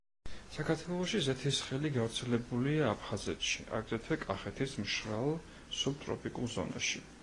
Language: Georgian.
საქართველოში ზეთისხილი გავრცელებულია აფხაზეთში, აგრეთვე კახეთის მშრალ სუბტროპიკულ ზონაში.